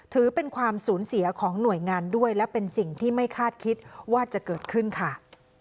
ถือเป็นความสูญเสียของหน่วยงานด้วยและเป็นสิ่งที่ไม่คาดคิดว่าจะเกิดขึ้นค่ะ